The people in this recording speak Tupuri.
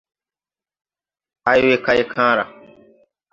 Hay we kay kããra.